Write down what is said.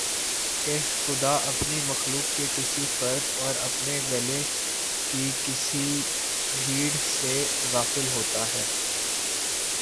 کہ خدا اپنی مخلوق کے کسی فرد اور اپنے گلے کی کسی بھیڑ سے غافل ہوتا ہے